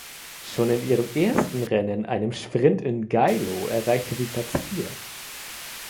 Schon in ihrem ersten Rennen, einem Sprint in Geilo, erreichte sie Platz vier.